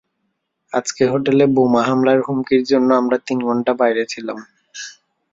আজকে হোটেলে বোমা হামলার হুমকির জন্য আমরা তিন ঘণ্টা বাইরে ছিলাম।